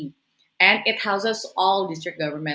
dan itu mengunjungi semua pemerintah